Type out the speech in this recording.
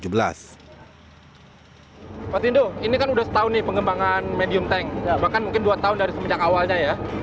pak tindo ini kan sudah setahun nih pengembangan medium tank bahkan mungkin dua tahun dari semenjak awalnya ya